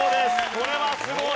これはすごい。